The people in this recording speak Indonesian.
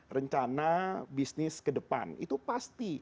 rencana bisnis ke depan itu pasti